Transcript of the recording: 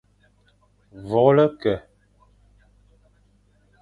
Vôlge ke, va vite.